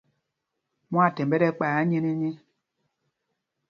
Mwaathɛmb ɛ tí ɛkpay anyēnēnē.